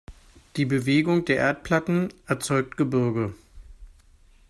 Die Bewegung der Erdplatten erzeugt Gebirge.